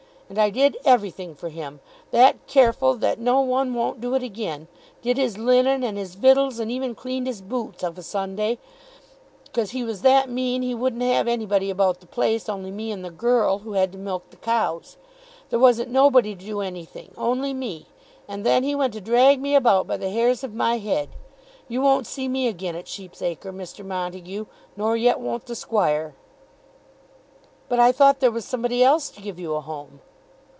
And I did everything for him, that careful that no one won't do it again; did his linen, and his victuals, and even cleaned his boots of a Sunday, 'cause he was that mean he wouldn't have anybody about the place only me and the girl who had to milk the cows. There wasn't nobody to do anything, only me. And then he went to drag me about by the hairs of my head. You won't see me again at Sheep's Acre, Mr. Montague; nor yet won't the Squire." "But I thought there was somebody else was to give you a home."